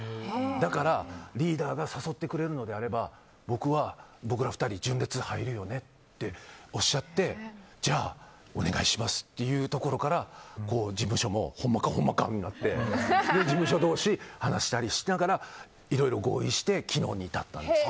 だから、リーダーが誘ってくれるのであれば僕ら２人純烈入るよねっておっしゃって、じゃあお願いしますっていうところから事務所も、ほんまかってなって事務所同士、話したりしながらいろいろ合意して昨日に至ったんです。